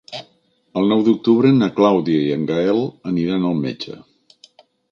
El nou d'octubre na Clàudia i en Gaël aniran al metge.